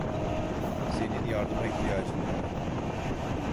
Senin yardıma ihtiyacın var.